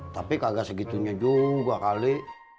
tapi kagak segitunya juga kali